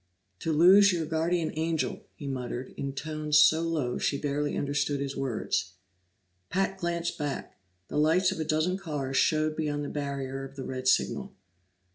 "To lose your guardian angel," he muttered in tones so low she barely understood his words. Pat glanced back; the lights of a dozen cars showed beyond the barrier of the red signal.